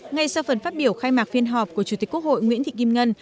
ngay sau phần phát biểu khai mạc phiên họp của chủ tịch quốc hội nguyễn thị kim ngân